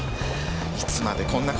いつまでこんな事。